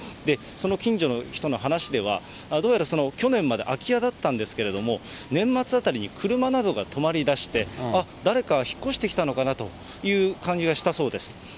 その近所の人の話では、どうやら去年まで空き家だったんですけれども、年末あたりに車などが止まりだして、あっ、誰か引っ越してきたのかなという感じがしたそうです。